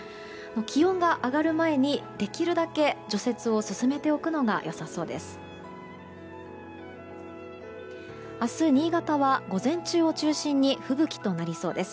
気温が上がる前に、できるだけ除雪を進めておくのがよさそうです。